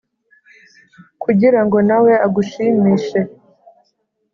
kugira ngo nawe agushimishe.